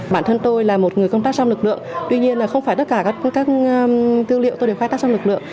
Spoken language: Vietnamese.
bản thân tôi là một người công tác trong lực lượng tuy nhiên là không phải tất cả các tư liệu tôi đều khai tác trong lực lượng